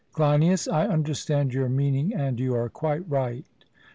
CLEINIAS: I understand your meaning, and you are quite right.